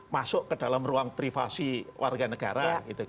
masuk ke dalam ruang privasi warga negara